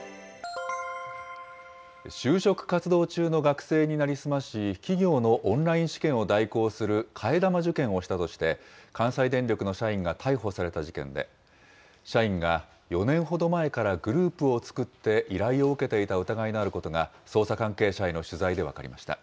就職活動中の学生に成り済まし、企業のオンライン試験を代行する替え玉受験をしたとして、関西電力の社員が逮捕された事件で、社員が４年ほど前からグループを作って依頼を受けていた疑いのあることが、捜査関係者への取材で分かりました。